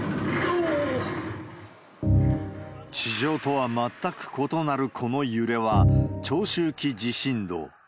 地上とは全く異なるこの揺れは、長周期地震動。